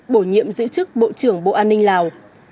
bổ nhiệm giữ chức bộ trưởng bộ an ninh lào